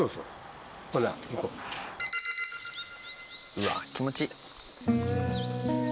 うわあ気持ちいい！